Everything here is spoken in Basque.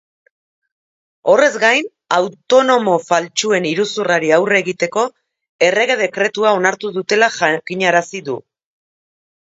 Horrez gain, autonomo faltsuen iruzurrari aurre egiteko errege-dekretua onartuko dutela jakinarazi du.